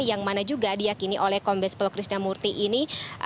yang mana juga diakini oleh kombes polkris namurti ini